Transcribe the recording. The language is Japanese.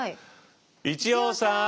一葉さん。